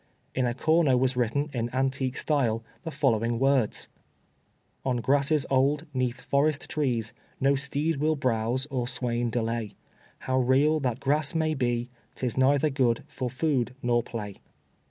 In a corner was written, in antique style, the following words: "On grasses old, 'neath forest trees, No steed will browse or swain delay, However real that grass may be, 'Tis neither good for food nor play."